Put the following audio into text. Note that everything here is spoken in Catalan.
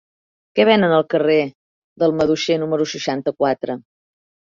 Què venen al carrer del Maduixer número seixanta-quatre?